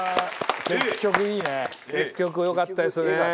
結局いいね結局よかったですね